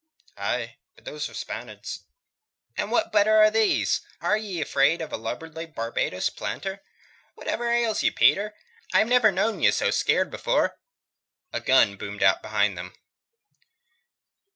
"Aye but those were Spaniards." "And what better are these? Are ye afeard of a lubberly Barbados planter? Whatever ails you, Peter? I've never known ye scared afore." A gun boomed out behind them.